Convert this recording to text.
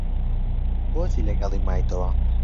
بۆچی لەگەڵی مایتەوە؟